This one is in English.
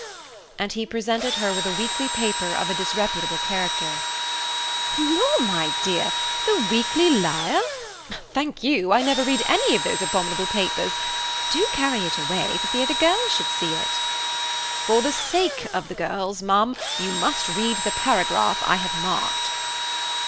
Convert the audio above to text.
and he presented her with a weekly paper of a disreputable character. "Law, my dear, the Weekly Lyre! Thank you, I never read any of those abominable papers. Do carry it away for fear the girls should see it." "For the sake of the girls, ma'am, you must read the paragraph I have marked."